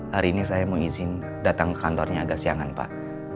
hari ini saya mau izin datang ke kantornya agak siangan pak